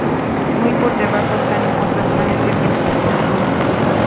Muy por debajo están las importaciones de bienes de consumo.